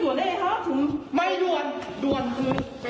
วันฯโดยธรรมดาลูกมาไม่ได้นะ